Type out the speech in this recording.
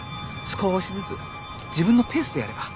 少しずつ自分のペースでやれば。